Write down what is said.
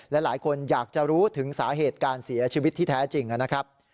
และหลายคนอยากจะรู้ถึงสาเหตุการเสียชีวิตที่แท้จริงนะครับ